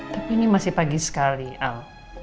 tapi ini masih pagi sekali al